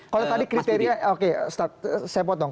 kalau tadi kriteria oke saya potong